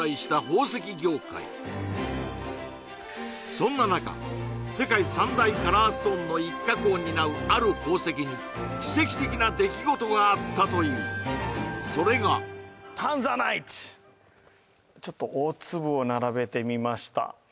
そんな中世界３大カラーストーンの一角を担うある宝石に奇跡的な出来事があったというそれがちょっと大粒を並べてみました